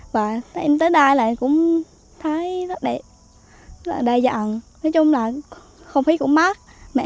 và em tới đây là cũng thấy rất đẹp rất đa dạng nói chung là không khí cũng mát